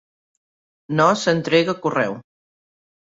No s'entrega correu.